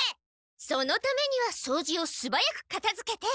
そのためにはそうじをすばやくかたづけて。